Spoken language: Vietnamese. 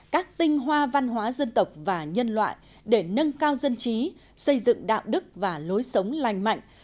các tinh hoa văn hóa dân tộc và nhân loại để nâng cao dân trí xây dựng đạo đức và lối sống lành mạnh